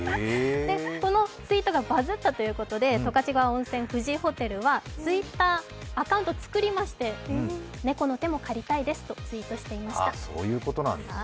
このツイートがバズったということで、十勝川温泉富士ホテルはＴｗｉｔｔｅｒアカウントを作りまして猫の手も借りたいですとツイートしていました。